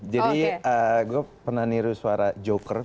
jadi gue pernah niru suara joker